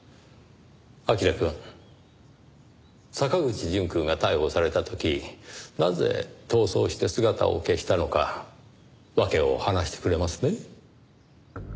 彬くん。坂口淳くんが逮捕された時なぜ逃走して姿を消したのか訳を話してくれますね？